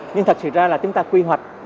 nhưng thật sự ra là chúng ta quy hoạch